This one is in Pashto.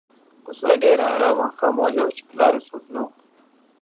کوڅه ډېره آرامه او خاموشه وه چې پر لاره یې څوک نه وو.